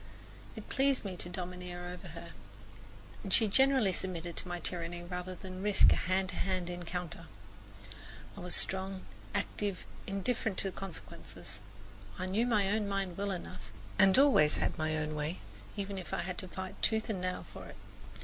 It pleased me to domineer over her, and she generally submitted to my tyranny rather than risk a hand to hand encounter. I was strong, active, indifferent to consequences. I knew my own mind well enough and always had my own way, even if I had to fight tooth and nail for it.